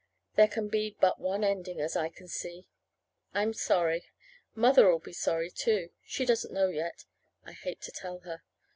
There can be but one ending, as I can see. I'm sorry. Mother'll be sorry, too. She doesn't know yet. I hate to tell her.